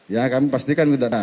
ya kami pastikan tidak ada